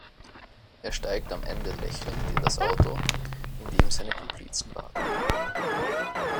Er steigt am Ende lächelnd in das Auto, in dem seine Komplizen warten.